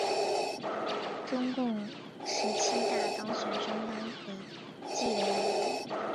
中共十七大当选中央纪委委员。